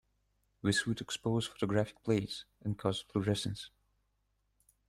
This would expose photographic plates and cause fluorescence.